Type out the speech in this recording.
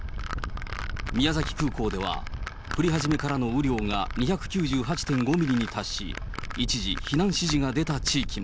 宮崎空港では、降り始めからの雨量が２９８．５ミリに達し、一時、避難指示が出た地域も。